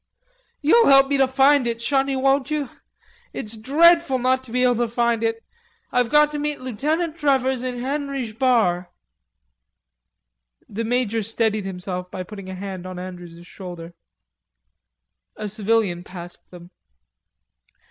"You'll help me to find it, shonny, won't you?... It's dreadful not to be able to find it.... I've got to meet Lootenant Trevors in Henry'sh Bar." The major steadied himself by putting a hand on Andrews' shoulder. A civilian passed them.